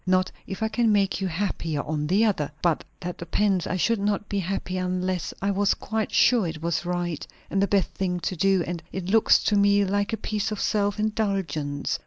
"Not if I can make you happier on the other." "But that depends. I should not be happy unless I was quite sure it was right, and the best thing to do; and it looks to me like a piece of self indulgence.